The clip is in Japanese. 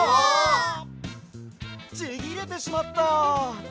ちぎれてしまった！